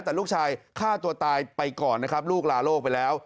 แต่ลูกชายฆ่าตัวตายไปก่อนนะครับลูกลาโลกไปแล้ว